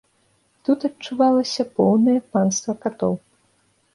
Тут адчувалася поўнае панства катоў.